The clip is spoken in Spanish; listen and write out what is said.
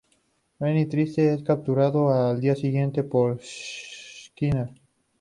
Remy, triste, es capturado al día siguiente por Skinner.